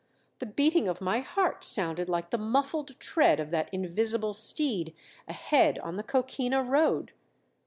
The beating of my heart sounded like the muffled tread of that invisible steed ahead on the coquina road.